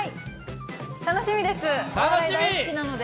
楽しみです、お笑い大好きなので。